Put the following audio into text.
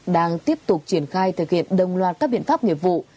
đang tiếp tục triển khai thực hiện đồng loạt các biện pháp nghiệp vụ